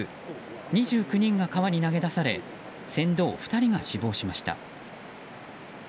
２９人が川に投げ出され船頭２人が死亡しました。